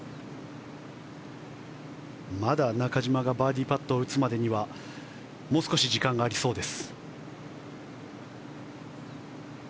中島がバーディーパットを打つまでにはもう少し時間がありそうです。